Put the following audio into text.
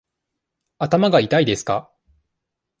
頭が痛いですか。